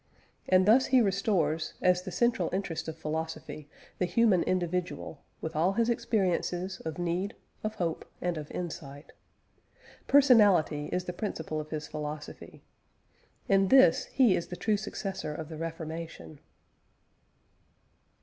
And thus he restores, as the central interest of philosophy, the human individual, with all his experiences of need, of hope, and of insight. Personality is the principle of his philosophy. In this he is the true successor of the Reformation.